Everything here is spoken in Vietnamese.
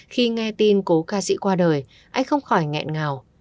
khi nghe tin cổ ca sĩ qua đời anh không khỏi ngẹn ngào